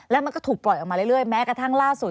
แล้วมันก็ถูกปล่อยออกมาเรื่อยแม้กระทั่งล่าสุด